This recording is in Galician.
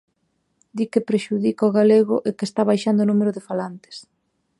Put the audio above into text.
Di que prexudica o galego e que está baixando o número de falantes.